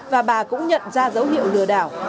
và bà cũng nhận ra dấu hiệu lừa đảo